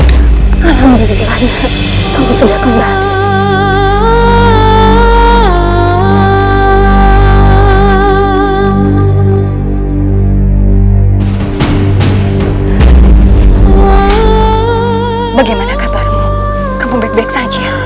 karena katamu kamu baik baik saja